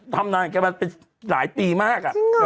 ทำงานของแกมาเป็นหลายปีมาก